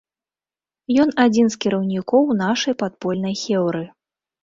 Ён адзін з кіраўнікоў нашай падпольнай хеўры.